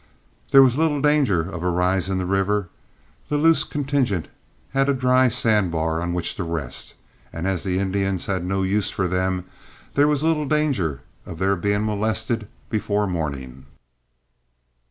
There was little danger of a rise in the river, the loose contingent had a dry sand bar on which to rest, and as the Indians had no use for them there was little danger of their being molested before morning.